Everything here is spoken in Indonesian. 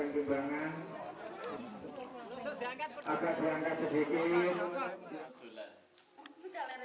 di baru baru enam ratus kebawah di garis